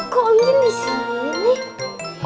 kok om jin di sini nih